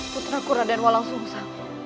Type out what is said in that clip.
putraku radenwa langsung sang